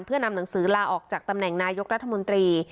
เพื่อนำหนังสือลาออกจากตำแหน่งนายกรัฐมนตรี